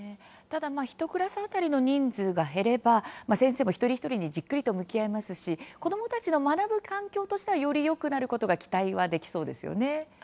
１クラス当たりの人数が減れば先生も一人一人にじっくり向き合えますし子どもたちの学ぶ環境としてはよりよくなることが期待できそうですね。